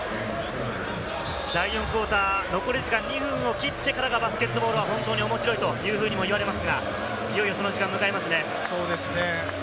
第４クオーター、残り時間２分を切ってからがバスケットボールは本当に面白いとも言われますが、いよいよ、その時間を迎えますね。